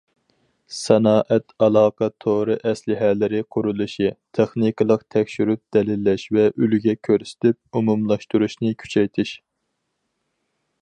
سانائەت ئالاقە تورى ئەسلىھەلىرى قۇرۇلۇشى، تېخنىكىلىق تەكشۈرۈپ دەلىللەش ۋە ئۈلگە كۆرسىتىپ ئومۇملاشتۇرۇشنى كۈچەيتىش.